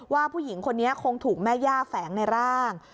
ผู้หญิงคนนี้คงถูกแม่ย่าแฝงในร่าง